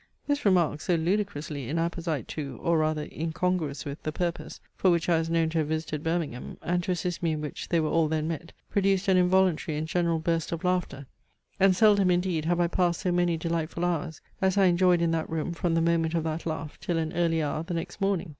This remark, so ludicrously inapposite to, or rather, incongruous with, the purpose, for which I was known to have visited Birmingham, and to assist me in which they were all then met, produced an involuntary and general burst of laughter; and seldom indeed have I passed so many delightful hours, as I enjoyed in that room from the moment of that laugh till an early hour the next morning.